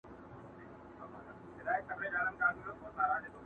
چي پر تا به قضاوت کړي او شاباس درباندي اوري،